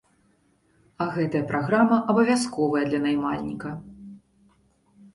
А гэтая праграма абавязковая для наймальніка.